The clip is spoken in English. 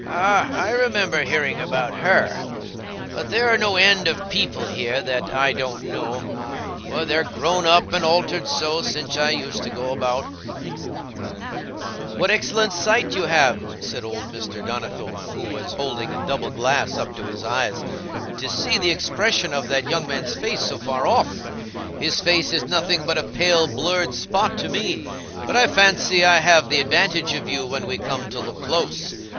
"Ah, I remember hearing about her. But there are no end of people here that I don't know, for they're grown up and altered so since I used to go about." "What excellent sight you have!" said old Mr. Donnithorne, who was holding a double glass up to his eyes, "to see the expression of that young man's face so far off. His face is nothing but a pale blurred spot to me. But I fancy I have the advantage of you when we come to look close.